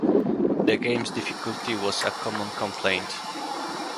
The game's difficulty was a common complaint.